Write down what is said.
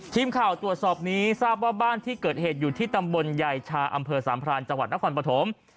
ทีมข่าวตรวจสอบนี้ทราบว่าบ้านที่เกิดเหตุอยู่ที่ตำบลยายชาอำเภอสามพรานจังหวัดนครปฐม